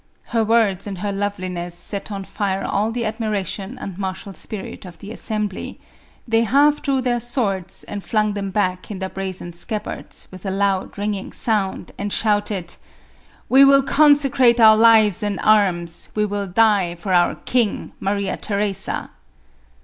Her words and her loveliness set on fire all the admira tion and martial spirit of the assembly ; they half drew their swords and flung them back in their brazen scab bards with a loud ringing sound, and shouted, "We will consecrate our lives and arms ; we will die for our king, Maria Theresa